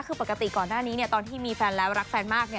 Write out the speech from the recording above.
คือปกติก่อนหน้านี้ตอนที่มีแฟนแล้วรักแฟนมาก